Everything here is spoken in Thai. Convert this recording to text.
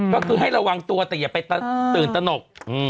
ก็คือให้ระวังตัวแต่อย่าไปตื่นตนก